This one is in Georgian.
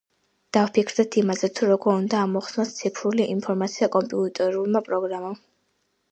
დავფიქრდეთ იმაზე, თუ როგორ უნდა ამოხსნას ციფრული ინფორმაცია კომპიუტერულმა პროგრამამ.